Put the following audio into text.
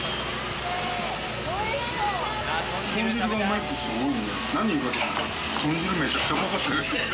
豚汁がうまいっていう人、多い。